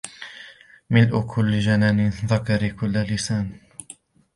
ملء كل جنـان ذكر كل لسـان